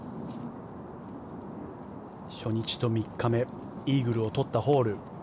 初日と３日目イーグルを取ったホール。